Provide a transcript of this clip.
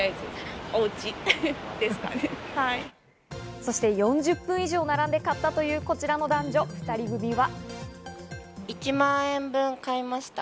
そして４０分以上並んで買ったという、こちらの男女２人組は。